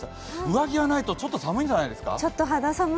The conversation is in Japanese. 上着がないとちょっと寒いんじゃないですか？